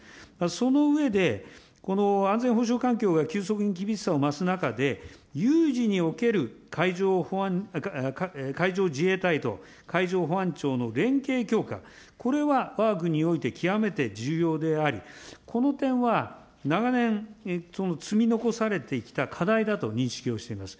その上で、この安全保障環境が急速に厳しさを増す中で、有事における海上自衛隊と海上保安庁の連携強化、これはわが国において極めて重要であり、この点は長年、積み残されてきた課題だと認識をしております。